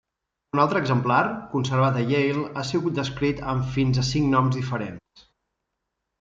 Un altre exemplar, conservat a Yale, ha sigut descrit amb fins a cinc noms diferents.